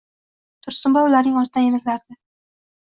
Tursunboy ularning ortidan emaklardi.